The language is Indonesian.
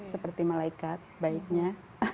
seperti malaikat baiknya